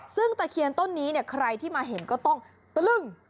ซึ่งตะเคียนต้นนี้ใครที่มาเห็นก็ต้องตะลึ่ง